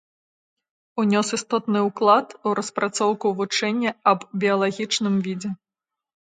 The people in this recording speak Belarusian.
Унёс істотны ўклад у распрацоўку вучэння аб біялагічным відзе.